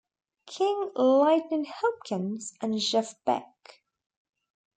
King, Lightnin' Hopkins, and Jeff Beck.